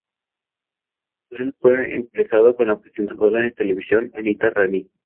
Él fue emparejado con la presentadora de televisión, Anita Rani.